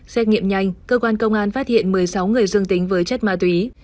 xét nghiệm nhanh cơ quan công an phát hiện một mươi sáu người dương tính với chất ma túy